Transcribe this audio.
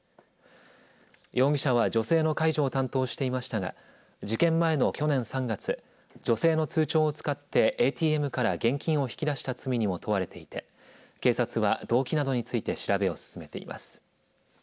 容疑者は女性の介助を担当していましたが事件前の去年３月女性の通帳を使ってＡＴＭから現金を引き出した罪にも問われていて警察は動機などについて調べを進めています。